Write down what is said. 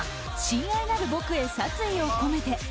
「親愛なる僕へ殺意をこめて」。